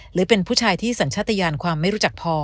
หรือเป็นผู้ชายที่สัญชาติยานความไม่รู้จักพอ